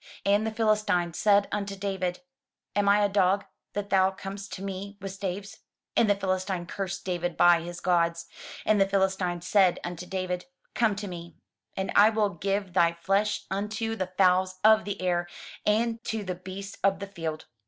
And the Philistine said unto David, "Am I a dog, that thou comest to me with staves?*' And the Philistine cursed David by his gods. And the Philistine said to David, "Come to me, and I will give thy flesh unto the fowls of the air, and to the beasts of the field."